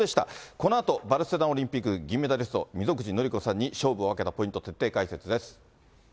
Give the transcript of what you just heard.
このあとバルセロナオリンピック銀メダリスト、みぞぐちのりこさんに勝負を分けたポイント、徹底解説です。